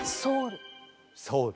ソウル。